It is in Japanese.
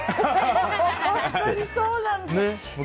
本当にそうなんですよ。